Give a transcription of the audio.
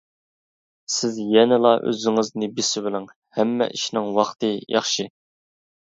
سىز يەنىلا ئۆزىڭىزنى بېسىۋېلىڭ، ھەممە ئىشنىڭ ۋاقتى ياخشى.